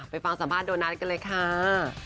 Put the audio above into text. ไปฟังสัมภาษณ์โดน๊าตกันเลยค้า